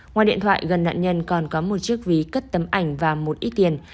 ngoài điện thoại gần nạn nhân còn có một chiếc ví cất tấm ảnh và một ít tiền